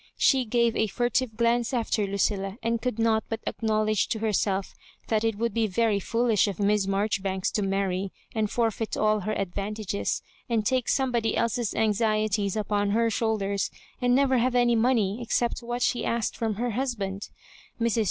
She gave a furtive glance after Lucilla, and oould. not but acknowledge to herself that it would be very foolish of Miss Mar joribanks to marry, and forfeit all her advantages, and take somebody else's anxieties upon her shoulders, and never have any money except what she asked from her husband. Mrs.